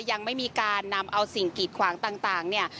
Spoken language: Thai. ยังไม่มีการนำเอาสิ่งกีดขวางต่างเนี่ย